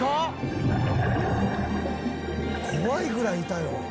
「怖いぐらいいたよ」